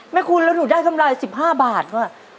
ไม่คุณแล้วหนูได้คำไรสิบห้าบาทก็